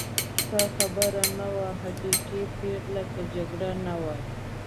ښه خبر نه و، حقیقي پېغلې، که جګړه نه وای.